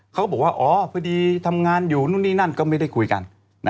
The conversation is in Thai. เขาบอกว่าอ๋อพอดีทำงานอยู่นู่นนี่นั่นก็ไม่ได้คุยกัน